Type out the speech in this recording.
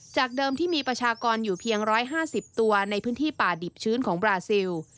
จากเดิมที่มีประชากรอยู่เพียง๑๕๐ตัวในพื้นที่ป่าดิบชื้นของบราซิล